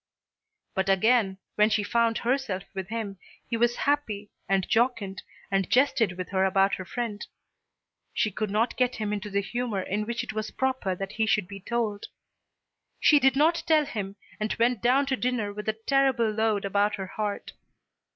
But again, when she found herself with him, he was happy, and jocund, and jested with her about her friend. She could not get him into the humour in which it was proper that he should be told. She did not tell him, and went down to dinner with the terrible load about her heart.